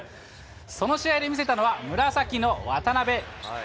その試合で見せたのは、紫の渡邊。